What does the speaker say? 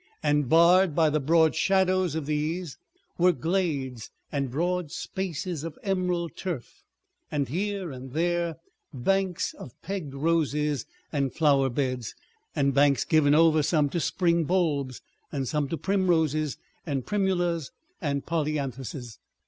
And barred by the broad shadows of these, were glades and broad spaces of emerald turf, and here and there banks of pegged roses, and flower beds, and banks given over some to spring bulbs, and some to primroses and primulas and polyanthuses.